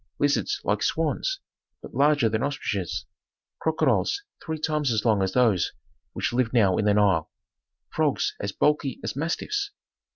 Lizards like swans, but larger than ostriches, crocodiles three times as long as those which live now in the Nile, frogs as bulky as mastiffs.